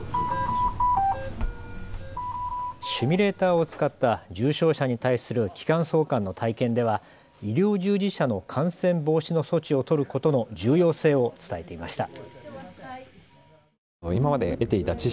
シミュレーターを使った重症者に対する気管挿管の体験では医療従事者の感染防止の措置を取ることの重要性を伝えていました。